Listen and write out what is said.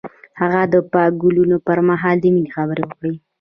هغه د پاک ګلونه پر مهال د مینې خبرې وکړې.